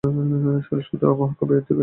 সংস্কৃত মহাকাব্যে এই উদ্বেগ সর্বব্যাপী।